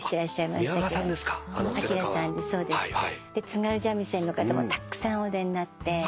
津軽三味線の方もたくさんお出になって。